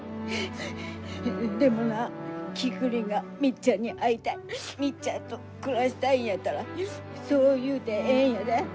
でもなキクリンがみっちゃんに会いたいみっちゃんと暮らしたいんやったらそう言うてええんやで。